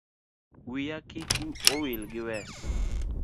Wiya kik owil gi wes